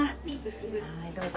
はいどうぞ。